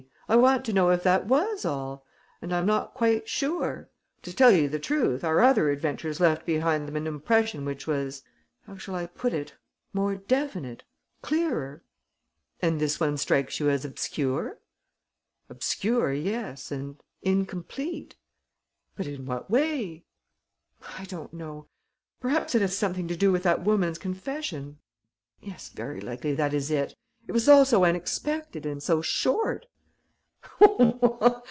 I want to know if that was all; and I'm not quite sure. To tell you the truth, our other adventures left behind them an impression which was how shall I put it? more definite, clearer." "And this one strikes you as obscure?" "Obscure, yes, and incomplete." "But in what way?" "I don't know. Perhaps it has something to do with that woman's confession. Yes, very likely that is it. It was all so unexpected and so short."